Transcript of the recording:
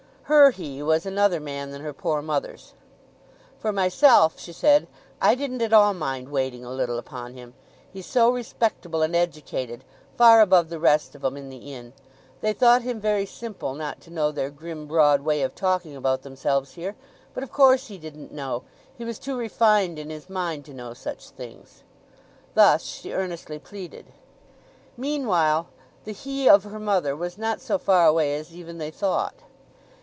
Her "he" was another man than her poor mother's. "For myself," she said, "I didn't at all mind waiting a little upon him. He's so respectable, and educated—far above the rest of 'em in the inn. They thought him very simple not to know their grim broad way of talking about themselves here. But of course he didn't know—he was too refined in his mind to know such things!" Thus she earnestly pleaded. Meanwhile, the "he" of her mother was not so far away as even they thought.